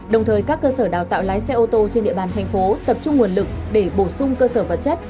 đồng thời các cơ sở đào tạo lái xe ô tô trên địa bàn thành phố tập trung nguồn lực để bổ sung cơ sở vật chất